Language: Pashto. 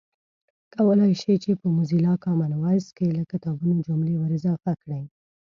کولای شئ چې په موزیلا کامن وایس کې له کتابونو جملې ور اضافه کړئ